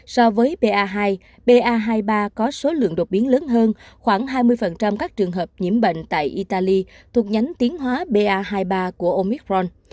so với ba hai ba mươi ba có số lượng đột biến lớn hơn khoảng hai mươi các trường hợp nhiễm bệnh tại italy thuộc nhánh tiến hóa ba hai mươi ba của omicron